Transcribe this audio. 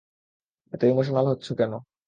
এত ইমোশনাল হচ্ছো কেন?